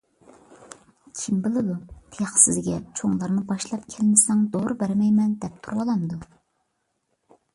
كىم بىلىدۇ، تېخى سىزگە چوڭلارنى باشلاپ كەلمىسەڭ دورا بەرمەيمەن دەپ تۇرۇۋالامدۇ!